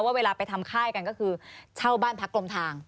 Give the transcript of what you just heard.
เวลาไปทำค่ายกันก็คือเช่าบ้านพักกลมทาง